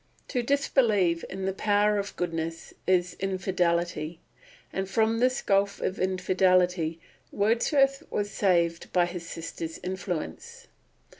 To disbelieve in the power of goodness is infidelity; and from this gulf of infidelity Wordsworth was saved by his sister's influence.